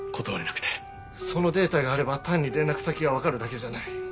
そのデータがあれば単に連絡先がわかるだけじゃない。